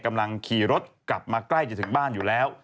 กำลังขี่รถกลับมาใกล้จะถึงบ้านอยู่แล้ว